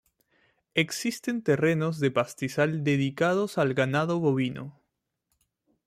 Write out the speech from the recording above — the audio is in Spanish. Existen terrenos de pastizal dedicados al ganado bovino.